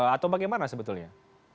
atau bagaimana sebetulnya